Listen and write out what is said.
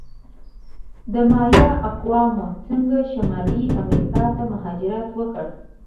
د مایا اقوامو څنګه شمالي امریکا ته مهاجرت وکړ؟